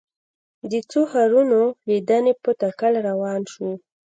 د څو ښارونو لیدنې په تکل روان شوو.